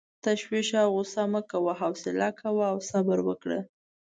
تشویش او غصه مه کوه، حوصله کوه او صبر وکړه.